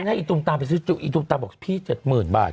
ฉันให้อีตุมตาไปซื้อจุ๊กอีตุมตาบอกพี่เจ็ดหมื่นบาท